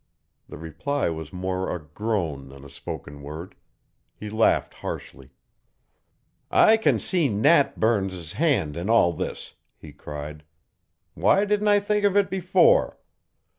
The reply was more a groan than a spoken word. He laughed harshly. "I can see Nat Burns's hand in all this," he cried. "Why didn't I think of it before?